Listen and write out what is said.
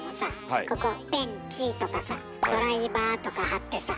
ここ「ペンチ」とかさ「ドライバー」とか貼ってさ